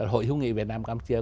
hội hữu nghị việt nam campuchia